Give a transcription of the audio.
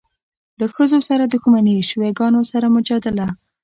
له ښځو سره دښمني، له شیعه ګانو سره مجادله.